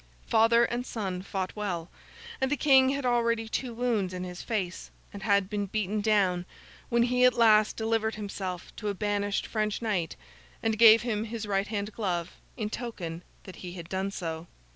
Father and son fought well, and the King had already two wounds in his face, and had been beaten down, when he at last delivered himself to a banished French knight, and gave him his right hand glove in token that he had done so.